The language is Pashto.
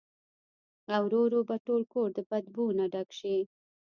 او ورو ورو به ټول کور د بدبو نه ډک شي